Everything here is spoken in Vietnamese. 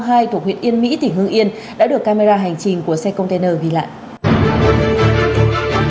thuộc huyện yên mỹ tỉnh hương yên đã được camera hành trình của xe container ghi lại